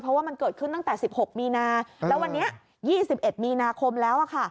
เพราะว่ามันเกิดขึ้นตั้งแต่๑๖มีนาแล้ววันนี้๒๑มีนาคมแล้ว